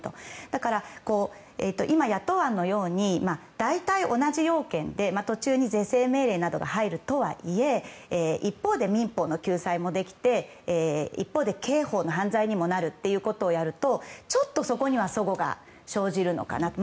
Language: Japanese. だから今、野党案のように大体同じような件で途中に是正命令などが入るとはいえ一方で、民法の救済もできて一方で刑法の犯罪にもなるとなるとちょっとそこには齟齬が生じるのかなと。